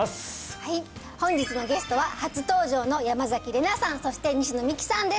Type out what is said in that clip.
はい本日のゲストは初登場の山崎怜奈さんそして西野未姫さんです